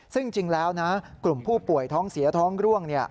ซึ่งจริงแล้วนะกลุ่มผู้ป่วยท้องเสียท้องร่วง